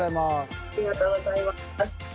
ありがとうございます。